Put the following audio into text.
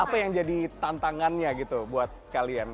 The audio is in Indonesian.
apa yang jadi tantangannya gitu buat kalian